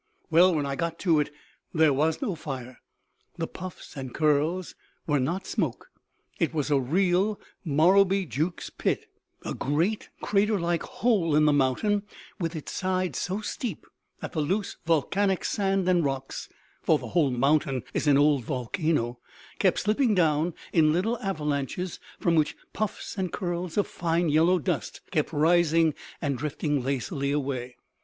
"Well, when I got to it there was no fire; the puffs and curls were not smoke. It was a real Morrowbie Jukes pit; a great crater like hole in the mountain, with its side so steep that the loose volcanic sand and rocks (for the whole mountain is an old volcano) kept slipping down in little avalanches from which puffs and curls of fine yellow dust kept rising and drifting lazily away.